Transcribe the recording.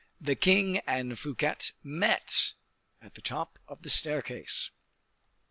The king and Fouquet met at the top of the staircase.